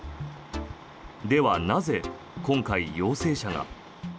では、なぜ今回、陽性者が。